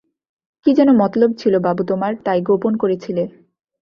কী যেন মতলব ছিল বাবু তোমার, তাই গোপন করেছিলে।